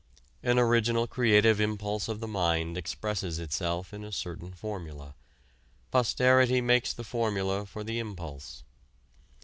An original creative impulse of the mind expresses itself in a certain formula; posterity mistakes the formula for the impulse.